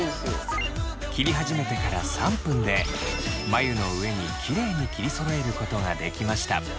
切り始めてから３分で眉の上にきれいに切りそろえることができました。